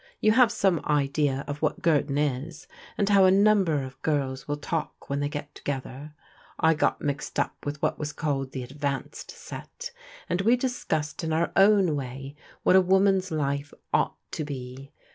You have some idea of what Girton is, and how a number of girls will talk when they get to gether. I got mixed up with what was called the ad vanced set, and we discussed in our own way what a woman's life ought to be.